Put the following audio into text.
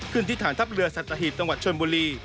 ขึ้นที่ฐานทัพเรือสัตตาฮิพตชนบุรี